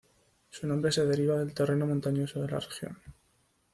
Su nombre se deriva del terreno montañoso de la región.